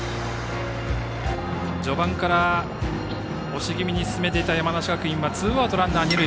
序盤から押し気味に進めていた山梨学院はツーアウトランナー、二塁。